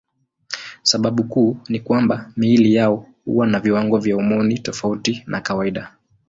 Sababu kuu ni kwamba miili yao huwa na viwango vya homoni tofauti na kawaida.